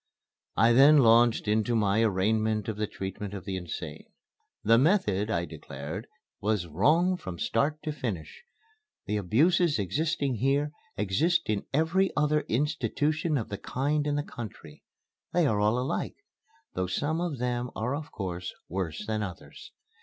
I then launched into my arraignment of the treatment of the insane. The method, I declared, was "wrong from start to finish. The abuses existing here exist in every other institution of the kind in the country. They are all alike though some of them are of course worse than others.